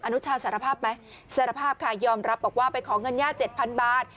นุชาสารภาพไหมสารภาพค่ะยอมรับบอกว่าไปขอเงินย่า๗๐๐บาท